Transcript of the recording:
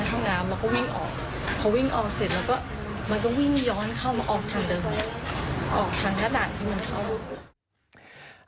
ออกทางหน้าด่างที่มันเข้า